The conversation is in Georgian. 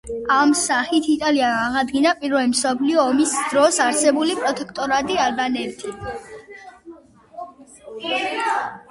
ამ სახით იტალიამ აღადგინა პირველი მსოფლიო ომის დროს არსებული პროტექტორატი ალბანეთზე.